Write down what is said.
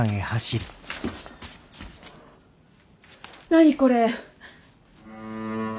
何これ？